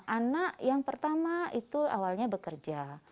anak yang pertama itu awalnya bekerja